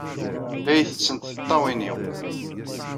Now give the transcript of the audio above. La iyi-ttettent tiṭṭawin-inu.